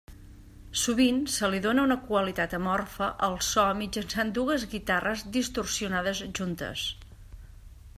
Sovint, se li dóna una qualitat amorfa al so mitjançant dues guitarres distorsionades juntes.